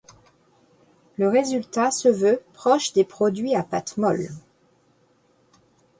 Le résultat se veut proche des produits à pâte molle.